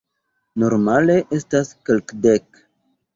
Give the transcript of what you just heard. Normale estas kelkdek.